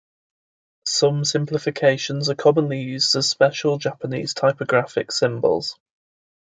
Some simplifications are commonly used as special Japanese typographic symbols.